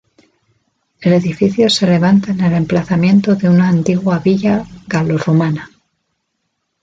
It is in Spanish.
El edificio se levanta en el emplazamiento de una antigua villa galorromana.